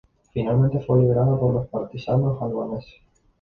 Finalmente fue liberada por los partisanos albaneses.